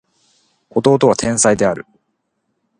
弟は天才である